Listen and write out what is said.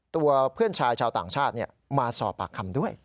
ตัวเพื่อนชายชาวต่างชาติมาสอบปากคำด้วย